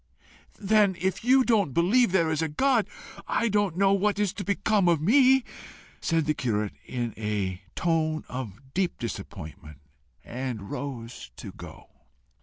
"Then if you don't believe there is a God I don't know what is to become of me," said the curate, in a tone of deep disappointment, and rose to go.